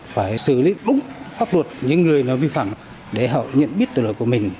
phải xử lý đúng pháp luật những người nó vi phạm để họ nhận biết tội lỗi của mình